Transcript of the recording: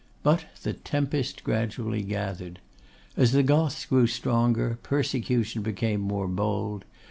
But the tempest gradually gathered. As the Goths grew stronger, persecution became more bold.